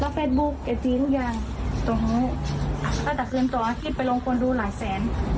แล้วก็แฟทบุ๊คเอดดี้ทุกอย่างตรงนู้นแล้วตะคืนต่ออาทิตย์ไปลงควรดูหลายแสน